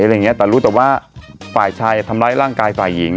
อะไรอย่างเงี้แต่รู้แต่ว่าฝ่ายชายทำร้ายร่างกายฝ่ายหญิง